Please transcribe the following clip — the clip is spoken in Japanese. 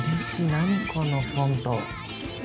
何このフォント。